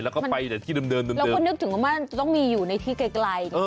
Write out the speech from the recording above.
แล้วก็ไปที่เดิมแล้วก็นึกถึงว่าต้องอยู่ในที่ไกล